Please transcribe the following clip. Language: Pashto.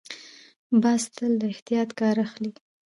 باز تل له احتیاط کار اخلي